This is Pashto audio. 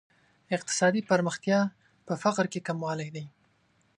اقتصادي پرمختیا په فقر کې کموالی دی.